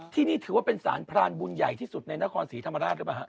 ที่นี่ถือว่าเป็นสารพรานบุญใหญ่ที่สุดในนครศรีธรรมราชหรือเปล่าฮะ